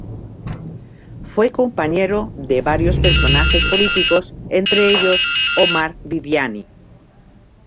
Fue compañero de varios personajes políticos entre ellos Omar Viviani.